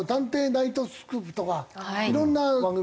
ナイトスクープ』とかいろんな番組